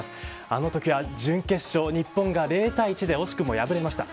あのときは準決勝で日本が０対１で惜しくも敗れました。